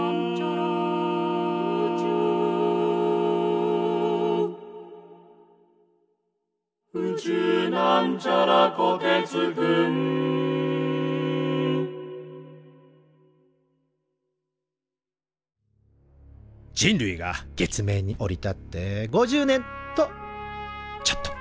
「宇宙」人類が月面に降り立って５０年！とちょっと。